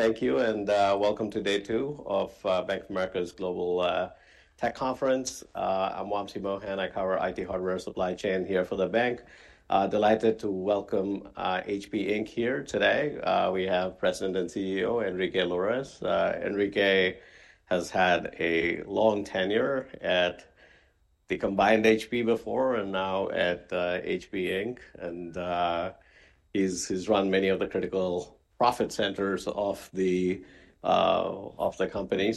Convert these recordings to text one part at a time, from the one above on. Thank you, and welcome to day two of Bank of America's global tech conference. I'm Wamsie Bohan. I cover IT hardware supply chain here for the bank. Delighted to welcome HP Inc here today. We have President and CEO Enrique Lores. Enrique has had a long tenure at the combined HP before and now at HP Inc. He has run many of the critical profit centers of the company.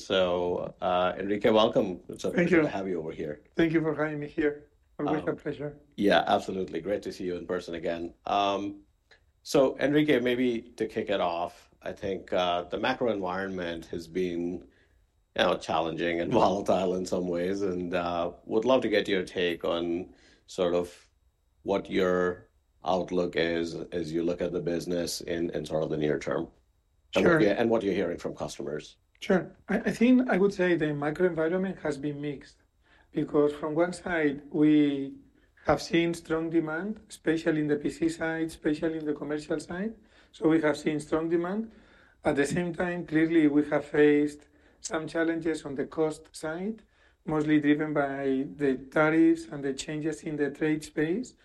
Enrique, welcome. Thank you. It's a pleasure to have you over here. Thank you for having me here. It's always a pleasure. Yeah, absolutely. Great to see you in person again. Enrique, maybe to kick it off, I think the macro environment has been challenging and volatile in some ways. Would love to get your take on sort of what your outlook is as you look at the business in sort of the near term. Sure. What you're hearing from customers. Sure. I think I would say the macro environment has been mixed because from one side, we have seen strong demand, especially in the PC side, especially in the commercial side. We have seen strong demand. At the same time, clearly, we have faced some challenges on the cost side, mostly driven by the tariffs and the changes in the trade space.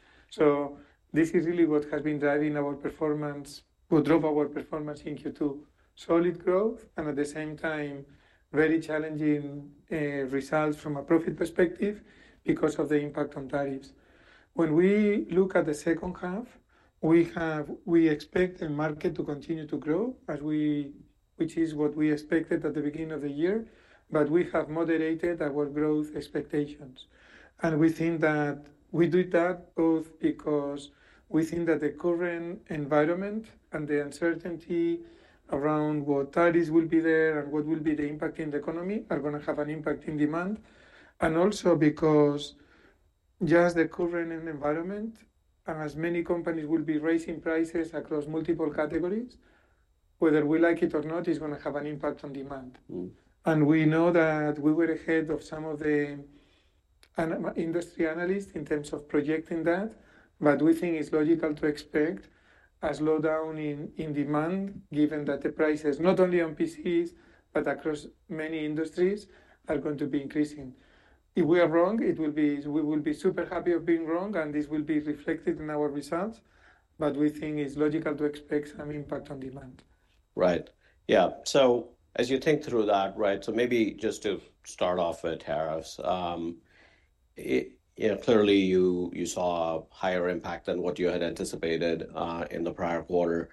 This is really what has been driving our performance, would drive our performance into solid growth. At the same time, very challenging results from a profit perspective because of the impact on tariffs. When we look at the second half, we expect the market to continue to grow, which is what we expected at the beginning of the year. We have moderated our growth expectations. We think that we do that both because we think that the current environment and the uncertainty around what tariffs will be there and what will be the impact in the economy are going to have an impact in demand. Also, just the current environment, as many companies will be raising prices across multiple categories, whether we like it or not, is going to have an impact on demand. We know that we were ahead of some of the industry analysts in terms of projecting that. We think it's logical to expect a slowdown in demand, given that the prices, not only on PCs, but across many industries, are going to be increasing. If we are wrong, we will be super happy of being wrong. This will be reflected in our results. We think it's logical to expect some impact on demand. Right. Yeah. As you think through that, right, maybe just to start off with tariffs, clearly, you saw a higher impact than what you had anticipated in the prior quarter.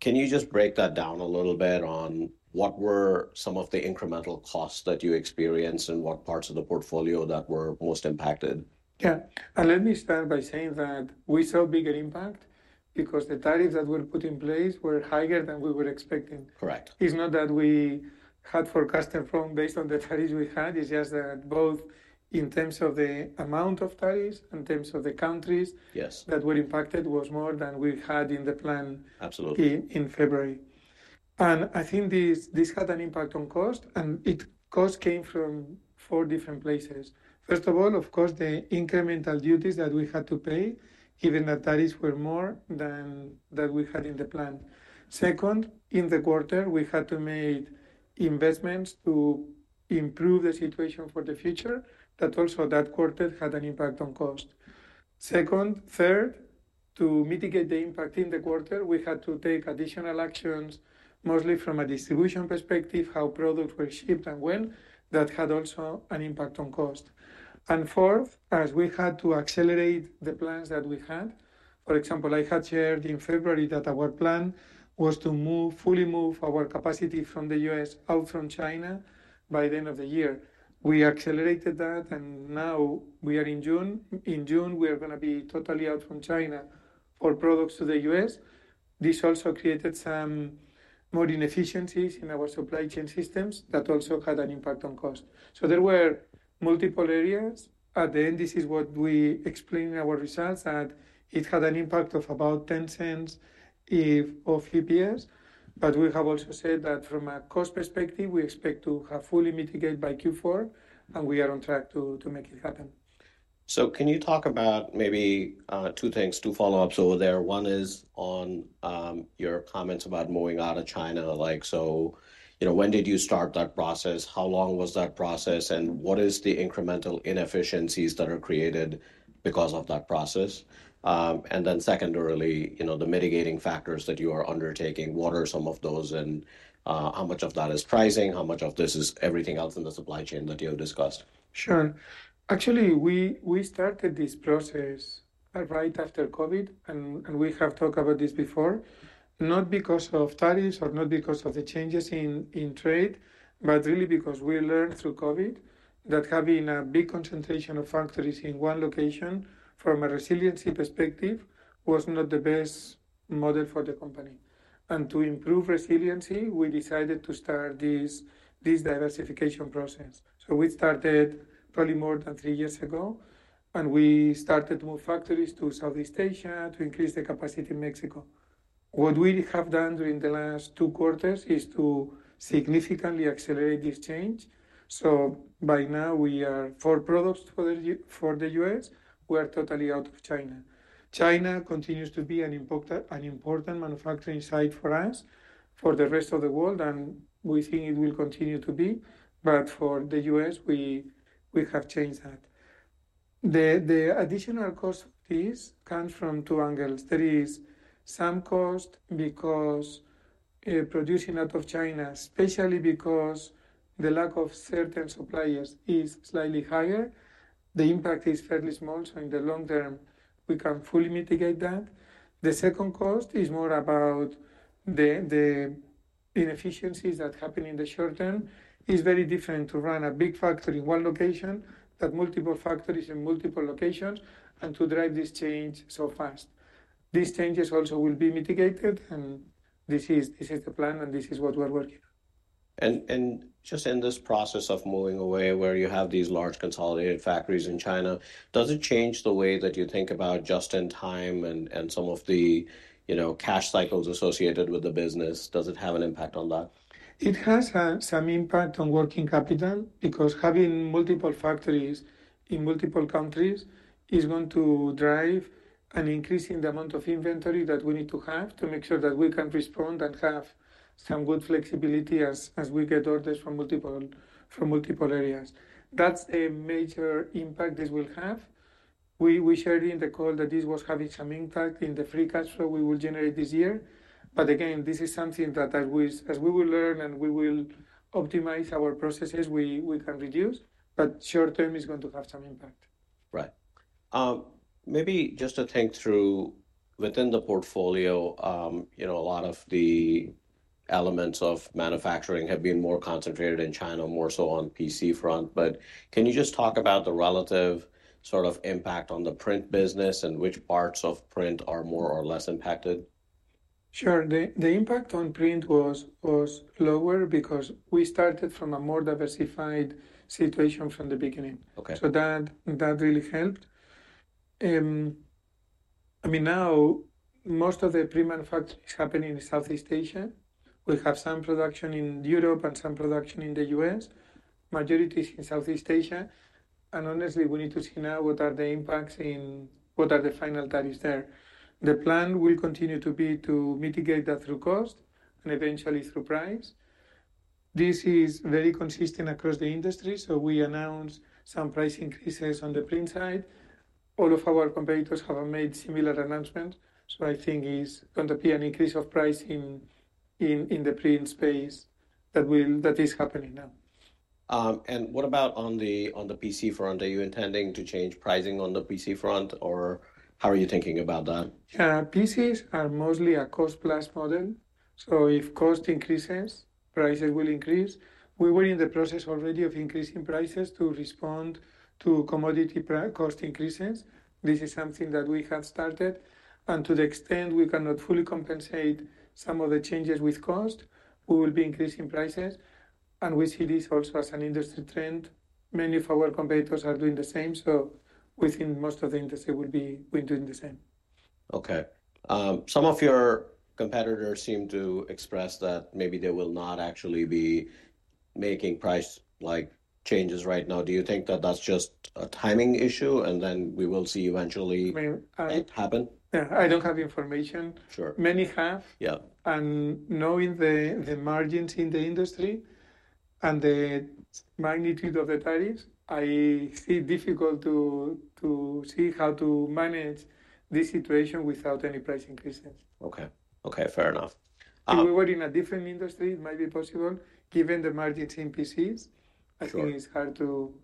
Can you just break that down a little bit on what were some of the incremental costs that you experienced and what parts of the portfolio that were most impacted? Yeah. Let me start by saying that we saw a bigger impact because the tariffs that were put in place were higher than we were expecting. Correct. It's not that we had forecasted from based on the tariffs we had. It's just that both in terms of the amount of tariffs, in terms of the countries that were impacted, was more than we had in the plan in February. Absolutely. I think this had an impact on cost. Cost came from four different places. First of all, of course, the incremental duties that we had to pay, given that tariffs were more than what we had in the plan. Second, in the quarter, we had to make investments to improve the situation for the future. But also that quarter also had an impact on cost. Third, to mitigate the impact in the quarter, we had to take additional actions, mostly from a distribution perspective, how products were shipped and when. That also had an impact on cost. Fourth, as we had to accelerate the plans that we had. For example, I had shared in February that our plan was to fully move our capacity from the US out from China by the end of the year. We accelerated that. Now we are in June. In June, we are going to be totally out from China for products to the US. This also created some modern inefficiencies in our supply chain systems that also had an impact on cost. There were multiple areas. At the end, this is what we explained in our results, that it had an impact of about $0.10 of EPS. We have also said that from a cost perspective, we expect to have fully mitigate by Q4. We are on track to make it happen. Can you talk about maybe two things, two follow-ups over there? One is on your comments about moving out of China. When did you start that process? How long was that process? What are the incremental inefficiencies that are created because of that process? Secondarily, the mitigating factors that you are undertaking, what are some of those? How much of that is pricing? How much of this is everything else in the supply chain that you have discussed? Sure. Actually, we started this process right after COVID. We have talked about this before, not because of tariffs or not because of the changes in trade, but really because we learned through COVID that having a big concentration of factories in one location from a resiliency perspective was not the best model for the company. To improve resiliency, we decided to start this diversification process. We started probably more than three years ago. We started to move factories to Southeast Asia to increase the capacity in Mexico. What we have done during the last two quarters is to significantly accelerate this change. By now, for products for the US, we are totally out of China. China continues to be an important manufacturing site for us, for the rest of the world. We think it will continue to be. For the US, we have changed that. The additional cost of this comes from two angles. There is some cost because producing out of China, especially because the lack of certain suppliers, is slightly higher. The impact is fairly small. In the long term, we can fully mitigate that. The second cost is more about the inefficiencies that happen in the short term. It is very different to run a big factory in one location, but multiple factories in multiple locations, and to drive this change so fast. These changes also will be mitigated. This is the plan. This is what we are working on. Just in this process of moving away, where you have these large consolidated factories in China, does it change the way that you think about just-in-time and some of the cash cycles associated with the business? Does it have an impact on that? It has had some impact on working capital because having multiple factories in multiple countries is going to drive an increase in the amount of inventory that we need to have to make sure that we can respond and have some good flexibility as we get orders from multiple areas. That is a major impact this will have. We shared in the call that this was having some impact in the free cash flow we will generate this year. Again, this is something that as we will learn and we will optimize our processes, we can reduce. Short term is going to have some impact. Right. Maybe just to think through within the portfolio, a lot of the elements of manufacturing have been more concentrated in China, more so on the PC front. Can you just talk about the relative sort of impact on the print business and which parts of print are more or less impacted? Sure. The impact on print was lower because we started from a more diversified situation from the beginning. That really helped. I mean, now most of the print manufacturing is happening in Southeast Asia. We have some production in Europe and some production in the US. Majority is in Southeast Asia. Honestly, we need to see now what are the impacts and what are the final tariffs there. The plan will continue to be to mitigate that through cost and eventually through price. This is very consistent across the industry. We announced some price increases on the print side. All of our competitors have made similar announcements. I think it is going to be an increase of pricing in the print space that is happening now. What about on the PC front? Are you intending to change pricing on the PC front? Or how are you thinking about that? PCs are mostly a cost-plus model. If cost increases, prices will increase. We were in the process already of increasing prices to respond to commodity cost increases. This is something that we have started. To the extent we cannot fully compensate some of the changes with cost, we will be increasing prices. We see this also as an industry trend. Many of our competitors are doing the same. We think most of the industry will be doing the same. OK. Some of your competitors seem to express that maybe they will not actually be making price changes right now. Do you think that that's just a timing issue? Then we will see eventually it happen? Yeah. I don't have information. Sure. Many have. Yeah. Knowing the margins in the industry and the magnitude of the tariffs, I see it difficult to see how to manage this situation without any price increases. OK. OK, fair enough. If we were in a different industry, it might be possible. Given the margins in PCs, I think it's hard to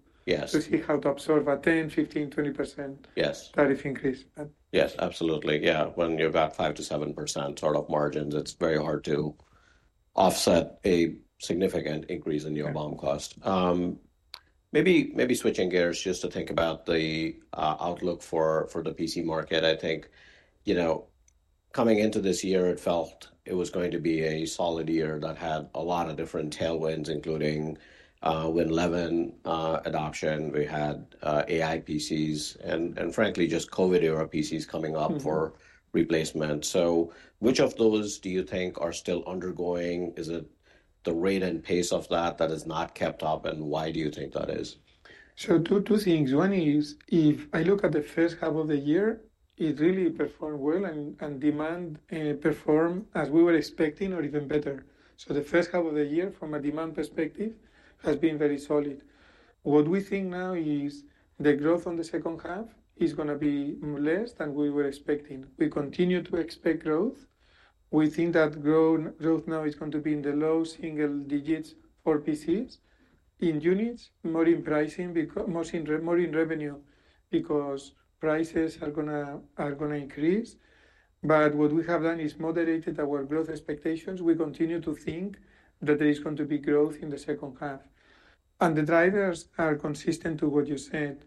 see how to absorb a 10%, 15%, 20% tariff increase. Yes, absolutely. Yeah, when you've got 5%-7% sort of margins, it's very hard to offset a significant increase in your BOM cost. Maybe switching gears just to think about the outlook for the PC market. I think coming into this year, it felt it was going to be a solid year that had a lot of different tailwinds, including Win11 adoption. We had AI PCs and, frankly, just COVID-era PCs coming up for replacement. Which of those do you think are still undergoing? Is it the rate and pace of that that has not kept up? Why do you think that is? Two things. One is, if I look at the first half of the year, it really performed well. Demand performed as we were expecting or even better. The first half of the year, from a demand perspective, has been very solid. What we think now is the growth on the second half is going to be less than we were expecting. We continue to expect growth. We think that growth now is going to be in the low single digits for PCs. In units, more in pricing, mostly in revenue, because prices are going to increase. What we have done is moderated our growth expectations. We continue to think that there is going to be growth in the second half. The drivers are consistent to what you said.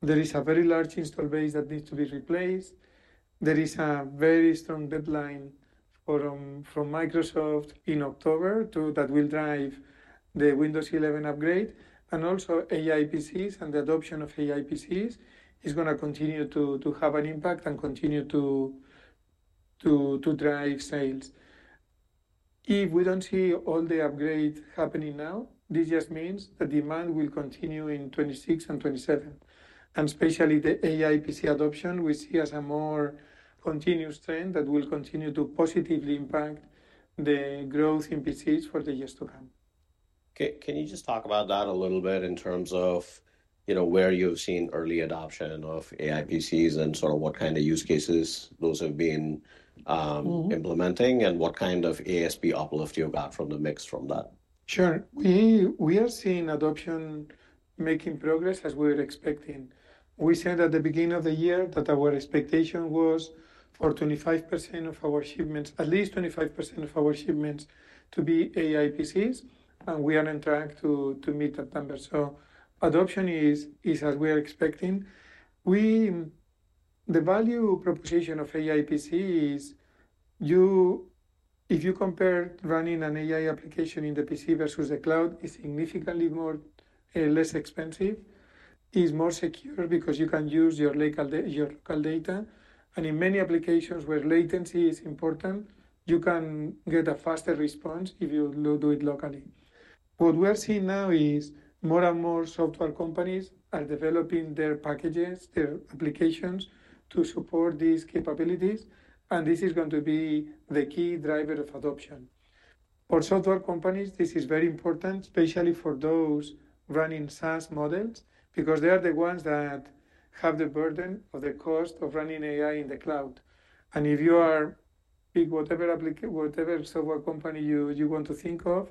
There is a very large install base that needs to be replaced. There is a very strong deadline from Microsoft in October that will drive the Windows 11 upgrade. Also, AI PCs and the adoption of AI PCs is going to continue to have an impact and continue to drive sales. If we do not see all the upgrades happening now, this just means that demand will continue in 2026 and 2027. Especially the AI PC adoption, we see as a more continuous trend that will continue to positively impact the growth in PCs for the years to come. Can you just talk about that a little bit in terms of where you have seen early adoption of AI PCs and sort of what kind of use cases those have been implementing and what kind of ASP uplift you got from the mix from that? Sure. We are seeing adoption making progress as we were expecting. We said at the beginning of the year that our expectation was for 25% of our shipments, at least 25% of our shipments, to be AI PCs. And we are on track to meet that number. So adoption is as we are expecting. The value proposition of AI PC is, if you compare running an AI application in the PC versus the cloud, it's significantly less expensive. It's more secure because you can use your local data. And in many applications where latency is important, you can get a faster response if you do it locally. What we're seeing now is more and more software companies are developing their packages, their applications to support these capabilities. And this is going to be the key driver of adoption. For software companies, this is very important, especially for those running SaaS models, because they are the ones that have the burden or the cost of running AI in the cloud. If you are picking whatever software company you want to think of,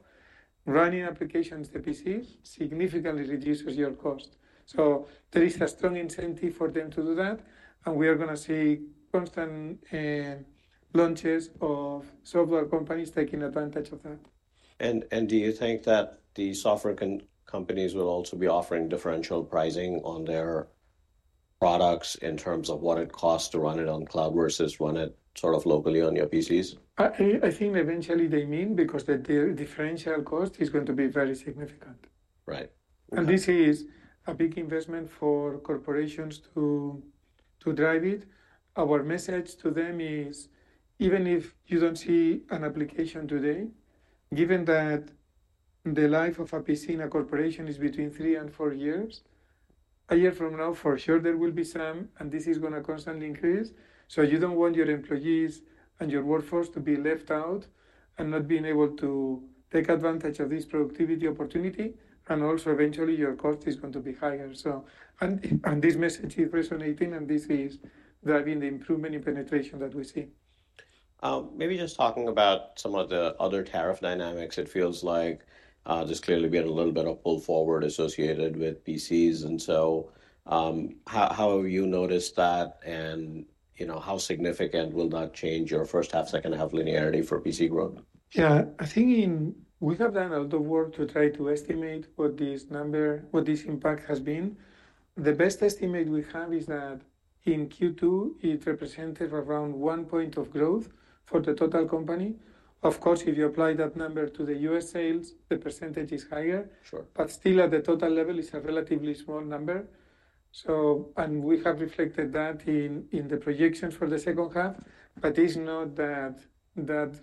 running applications to PCs significantly reduces your cost. There is a strong incentive for them to do that. We are going to see constant launches of software companies taking advantage of that. Do you think that the software companies will also be offering differential pricing on their products in terms of what it costs to run it on cloud versus run it sort of locally on your PCs? I think eventually they mean, because the differential cost is going to be very significant. Right. This is a big investment for corporations to drive it. Our message to them is, even if you do not see an application today, given that the life of a PC in a corporation is between three and four years, a year from now, for sure, there will be some. This is going to constantly increase. You do not want your employees and your workforce to be left out and not be able to take advantage of this productivity opportunity. Also, eventually, your cost is going to be higher. This message is resonating. This is driving the improvement in penetration that we see. Maybe just talking about some of the other tariff dynamics, it feels like there's clearly been a little bit of pull forward associated with PCs. How have you noticed that? How significant will that change your first half, second half linearity for PC growth? Yeah. I think we have done a lot of work to try to estimate what this impact has been. The best estimate we have is that in Q2, it represented around 1 point of growth for the total company. Of course, if you apply that number to the US sales, the percentage is higher. Still, at the total level, it's a relatively small number. We have reflected that in the projections for the second half. It's not that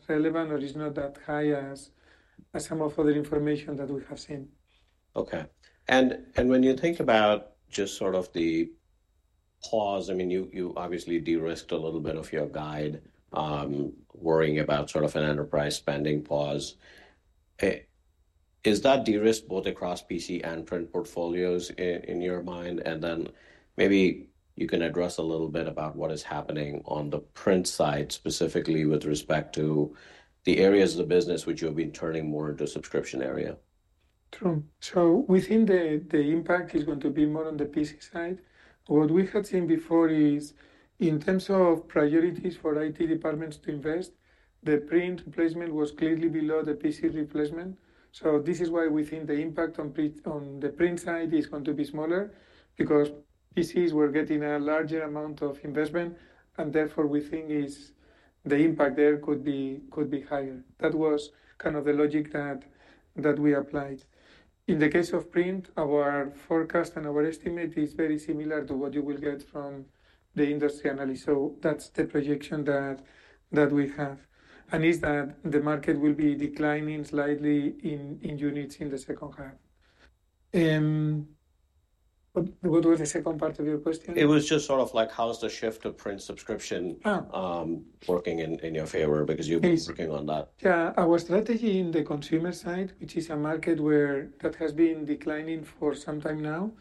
relevant or it's not that high as some of other information that we have seen. OK. When you think about just sort of the pause, I mean, you obviously de-risked a little bit of your guide worrying about sort of an enterprise spending pause. Is that de-risked both across PC and print portfolios in your mind? Maybe you can address a little bit about what is happening on the print side, specifically with respect to the areas of the business which you have been turning more into a subscription area. True. We think the impact is going to be more on the PC side. What we had seen before is, in terms of priorities for IT departments to invest, the print replacement was clearly below the PC replacement. This is why we think the impact on the print side is going to be smaller, because PCs were getting a larger amount of investment. Therefore, we think the impact there could be higher. That was kind of the logic that we applied. In the case of print, our forecast and our estimate is very similar to what you will get from the industry analyst. That is the projection that we have. It is that the market will be declining slightly in units in the second half. What was the second part of your question? It was just sort of like, how's the shift to print subscription working in your favor? Because you've been working on that. Yeah. Our strategy in the consumer side, which is a market that has been declining for some time now,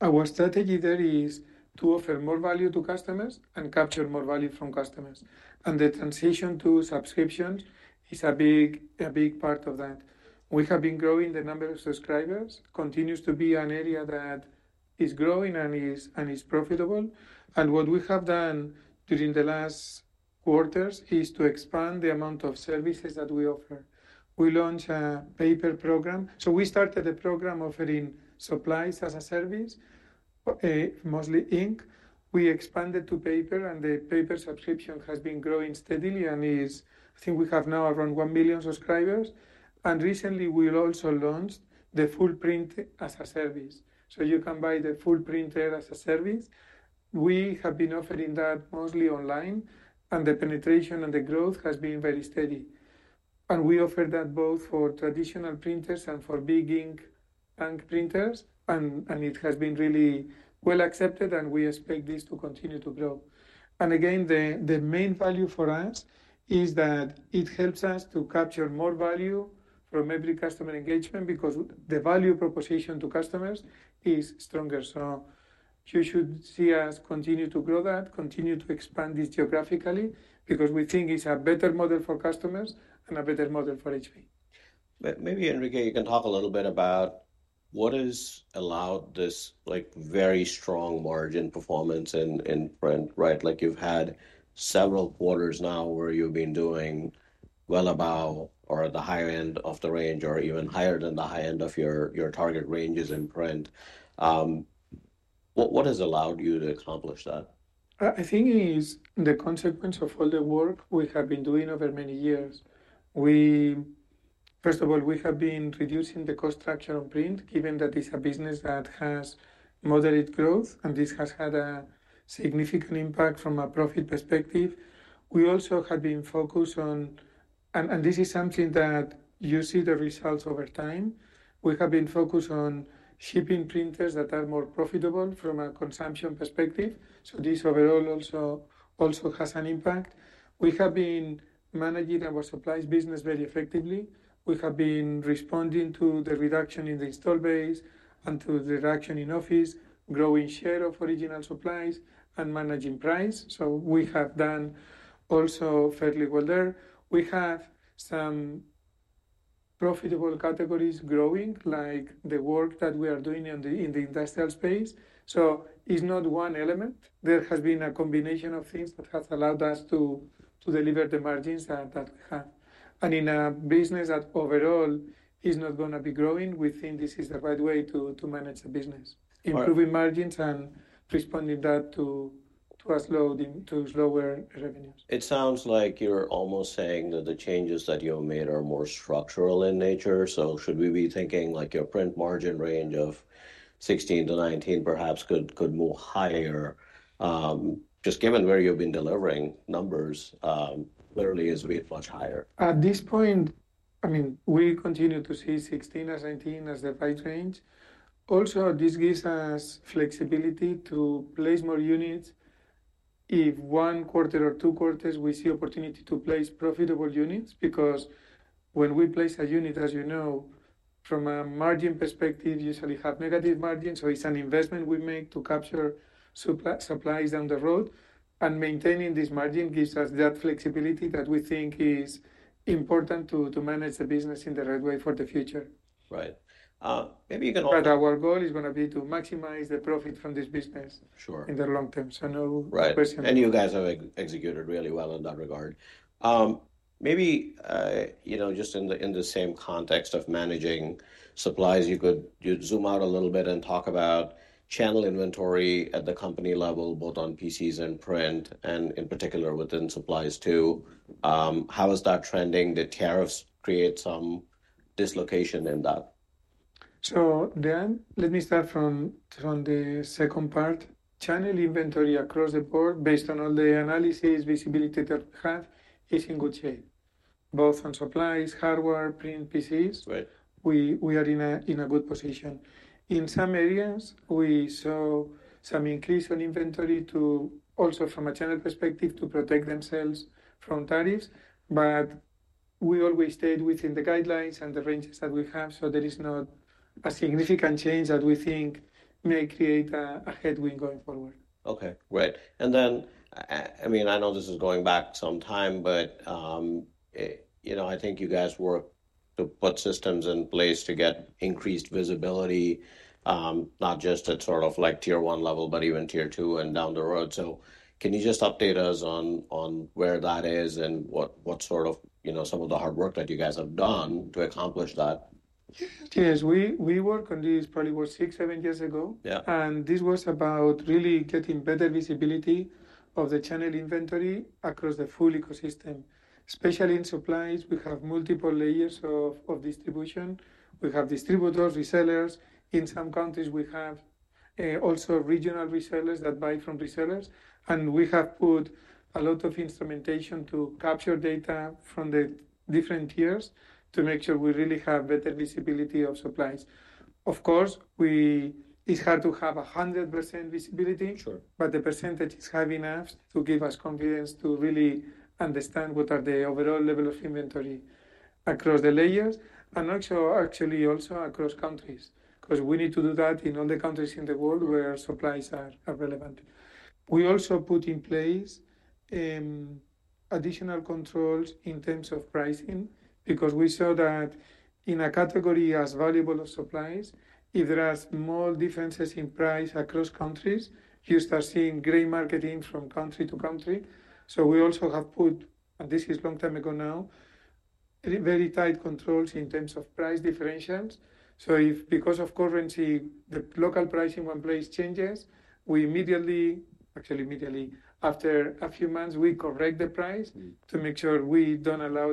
our strategy there is to offer more value to customers and capture more value from customers. The transition to subscriptions is a big part of that. We have been growing the number of subscribers. Continues to be an area that is growing and is profitable. What we have done during the last quarters is to expand the amount of services that we offer. We launched a paper program. We started a program offering supplies as a service, mostly ink. We expanded to paper. The paper subscription has been growing steadily. I think we have now around 1 million subscribers. Recently, we also launched the full print as a service. You can buy the full printer as a service. We have been offering that mostly online. The penetration and the growth has been very steady. We offer that both for traditional printers and for big ink tank printers. It has been really well accepted. We expect this to continue to grow. The main value for us is that it helps us to capture more value from every customer engagement, because the value proposition to customers is stronger. You should see us continue to grow that, continue to expand this geographically, because we think it is a better model for customers and a better model for HP. Maybe, Enrique, you can talk a little bit about what has allowed this very strong margin performance in print, right? Like you've had several quarters now where you've been doing well above or the higher end of the range or even higher than the high end of your target ranges in print. What has allowed you to accomplish that? I think it is the consequence of all the work we have been doing over many years. First of all, we have been reducing the cost structure on print, given that it's a business that has moderate growth. This has had a significant impact from a profit perspective. We also have been focused on, and this is something that you see the results over time. We have been focused on shipping printers that are more profitable from a consumption perspective. This overall also has an impact. We have been managing our supplies business very effectively. We have been responding to the reduction in the install base and to the reduction in office, growing share of original supplies, and managing price. We have done also fairly well there. We have some profitable categories growing, like the work that we are doing in the industrial space. It is not one element. There has been a combination of things that has allowed us to deliver the margins that we have. In a business that overall is not going to be growing, we think this is the right way to manage a business, improving margins and responding to that to slower revenues. It sounds like you're almost saying that the changes that you have made are more structural in nature. Should we be thinking like your print margin range of 16%-19% perhaps could move higher, just given where you've been delivering numbers? Clearly, it's been much higher. At this point, I mean, we continue to see 16%-19% as the price range. Also, this gives us flexibility to place more units. If one quarter or two quarters, we see opportunity to place profitable units, because when we place a unit, as you know, from a margin perspective, you usually have negative margins. It is an investment we make to capture supplies down the road. Maintaining this margin gives us that flexibility that we think is important to manage the business in the right way for the future. Right. Maybe you can also. Our goal is going to be to maximize the profit from this business in the long term. No question. You guys have executed really well in that regard. Maybe just in the same context of managing supplies, you could zoom out a little bit and talk about channel inventory at the company level, both on PCs and print, and in particular within supplies too. How is that trending? Did tariffs create some dislocation in that? Let me start from the second part. Channel inventory across the board, based on all the analysis visibility that we have, is in good shape, both on supplies, hardware, print, PCs. We are in a good position. In some areas, we saw some increase in inventory also from a channel perspective to protect themselves from tariffs. We always stayed within the guidelines and the ranges that we have. There is not a significant change that we think may create a headwind going forward. OK, great. I mean, I know this is going back some time, but I think you guys work to put systems in place to get increased visibility, not just at sort of like tier one level, but even tier two and down the road. Can you just update us on where that is and what sort of some of the hard work that you guys have done to accomplish that? Yes. We worked on this probably was six, seven years ago. This was about really getting better visibility of the channel inventory across the full ecosystem, especially in supplies. We have multiple layers of distribution. We have distributors, resellers. In some countries, we have also regional resellers that buy from resellers. We have put a lot of instrumentation to capture data from the different tiers to make sure we really have better visibility of supplies. Of course, it is hard to have 100% visibility, but the percentage is high enough to give us confidence to really understand what are the overall level of inventory across the layers, and actually also across countries, because we need to do that in all the countries in the world where supplies are relevant. We also put in place additional controls in terms of pricing, because we saw that in a category as valuable as supplies, if there are small differences in price across countries, you start seeing gray marketing from country to country. So we also have put, and this is a long time ago now, very tight controls in terms of price differentials. If, because of currency, the local price in one place changes, we immediately, actually immediately, after a few months, we correct the price to make sure we do not allow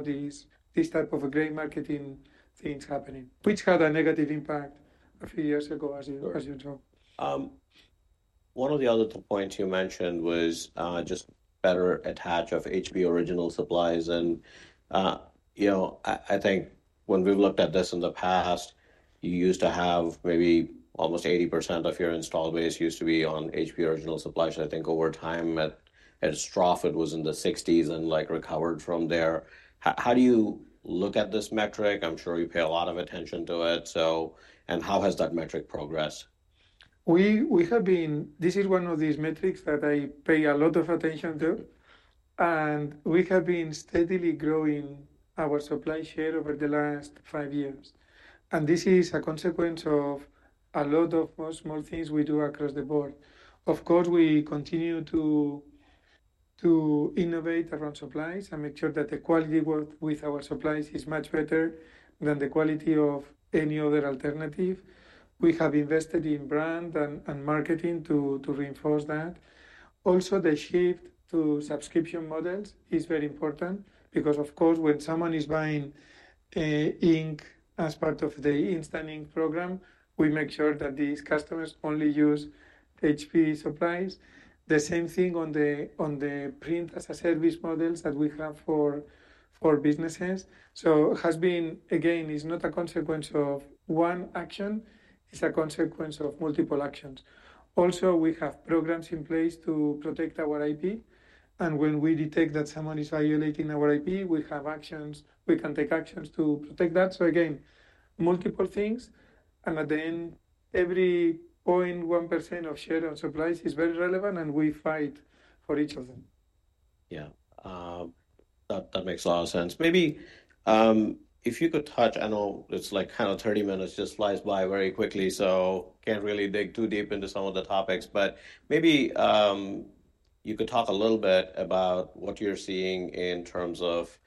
this type of gray marketing things happening, which had a negative impact a few years ago, as you know. One of the other points you mentioned was just better attach of HP Original Supplies. I think when we've looked at this in the past, you used to have maybe almost 80% of your install base used to be on HP Original Supplies. I think over time at Stroff, it was in the 60s and recovered from there. How do you look at this metric? I'm sure you pay a lot of attention to it. How has that metric progressed? This is one of these metrics that I pay a lot of attention to. We have been steadily growing our supply share over the last five years. This is a consequence of a lot of small things we do across the board. Of course, we continue to innovate around supplies and make sure that the quality work with our supplies is much better than the quality of any other alternative. We have invested in brand and marketing to reinforce that. Also, the shift to subscription models is very important, because of course, when someone is buying ink as part of the Instant Ink program, we make sure that these customers only use HP Supplies. The same thing on the Print as a Service models that we have for businesses. It has been, again, it's not a consequence of one action. It's a consequence of multiple actions. Also, we have programs in place to protect our IP. When we detect that someone is violating our IP, we have actions. We can take actions to protect that. Again, multiple things. At the end, every 0.1% of share of supplies is very relevant. We fight for each of them. Yeah. That makes a lot of sense. Maybe if you could touch, I know it's like kind of 30 minutes just flies by very quickly, so can't really dig too deep into some of the topics. Maybe you could talk a little bit about what you're seeing in terms of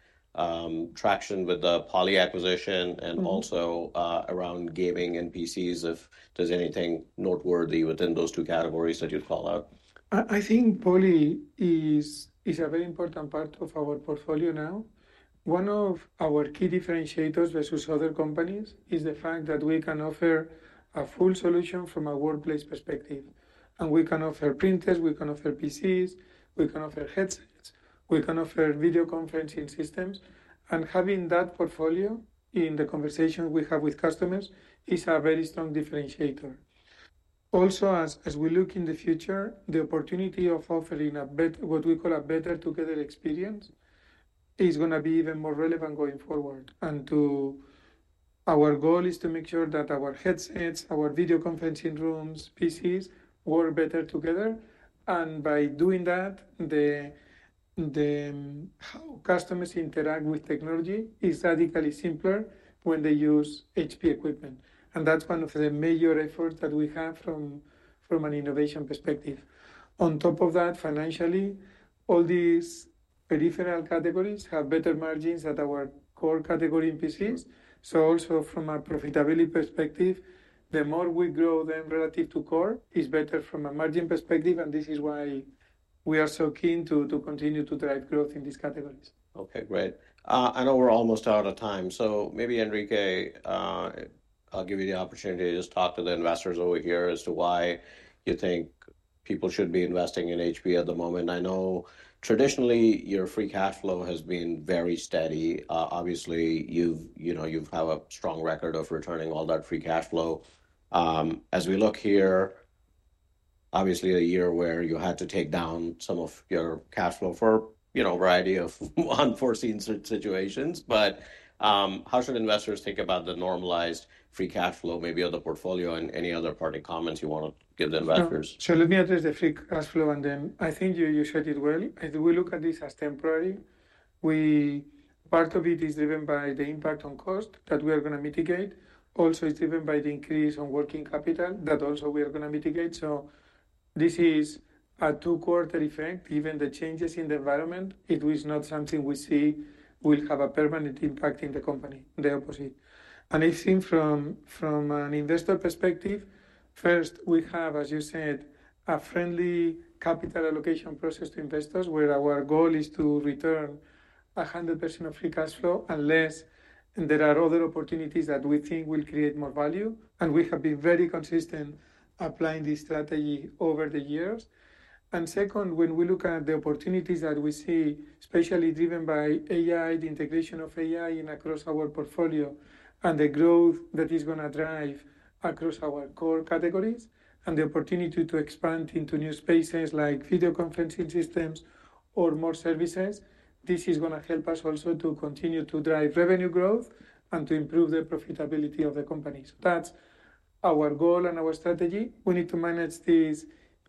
traction with the Poly acquisition and also around gaming and PCs, if there's anything noteworthy within those two categories that you'd call out. I think Poly is a very important part of our portfolio now. One of our key differentiators versus other companies is the fact that we can offer a full solution from a workplace perspective. We can offer printers. We can offer PCs. We can offer headsets. We can offer video conferencing systems. Having that portfolio in the conversation we have with customers is a very strong differentiator. Also, as we look in the future, the opportunity of offering what we call a better together experience is going to be even more relevant going forward. Our goal is to make sure that our headsets, our video conferencing rooms, PCs work better together. By doing that, how customers interact with technology is radically simpler when they use HP equipment. That is one of the major efforts that we have from an innovation perspective. On top of that, financially, all these peripheral categories have better margins than our core category in PCs. Also, from a profitability perspective, the more we grow them relative to core, it's better from a margin perspective. This is why we are so keen to continue to drive growth in these categories. OK, great. I know we're almost out of time. Maybe, Enrique, I'll give you the opportunity to just talk to the investors over here as to why you think people should be investing in HP at the moment. I know traditionally, your free cash flow has been very steady. Obviously, you have a strong record of returning all that free cash flow. As we look here, obviously, a year where you had to take down some of your cash flow for a variety of unforeseen situations. How should investors think about the normalized free cash flow, maybe of the portfolio, and any other parting comments you want to give the investors? Let me address the free cash flow on them. I think you said it well. We look at this as temporary. Part of it is driven by the impact on cost that we are going to mitigate. Also, it is driven by the increase in working capital that also we are going to mitigate. This is a two-quarter effect. Even the changes in the environment, it was not something we see will have a permanent impact in the company, the opposite. I think from an investor perspective, first, we have, as you said, a friendly capital allocation process to investors where our goal is to return 100% of free cash flow unless there are other opportunities that we think will create more value. We have been very consistent applying this strategy over the years. When we look at the opportunities that we see, especially driven by AI, the integration of AI across our portfolio, and the growth that is going to drive across our core categories, and the opportunity to expand into new spaces like video conferencing systems or more services, this is going to help us also to continue to drive revenue growth and to improve the profitability of the company. That is our goal and our strategy. We need to manage this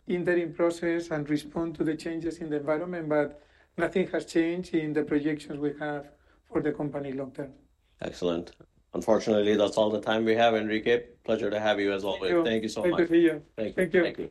interim process and respond to the changes in the environment. Nothing has changed in the projections we have for the company long term. Excellent. Unfortunately, that's all the time we have, Enrique. Pleasure to have you as always. Thank you so much. Good to see you. Thank you. Thank you.